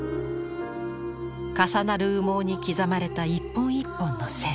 重なる羽毛に刻まれた一本一本の線。